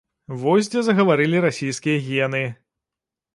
Вось дзе загаварылі расійскія гены!